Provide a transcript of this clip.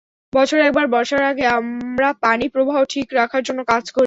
বছরে একবার বর্ষার আগে আমরা পানিপ্রবাহ ঠিক রাখার জন্য কাজ করি।